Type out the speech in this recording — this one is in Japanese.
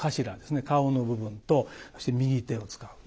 顔の部分とそして右手を遣う。